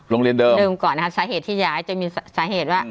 โรงเรียนเดิมก่อนนะครับสาเหตุที่ย้ายจะมีสาเหตุว่า